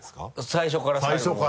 最初から最後まで。